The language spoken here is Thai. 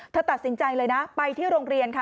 ตัดสินใจเลยนะไปที่โรงเรียนค่ะ